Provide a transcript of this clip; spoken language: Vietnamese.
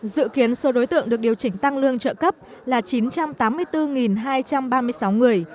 dự kiến số đối tượng được điều chỉnh tăng lương trợ cấp là chín trăm tám mươi bốn hai trăm ba mươi sáu người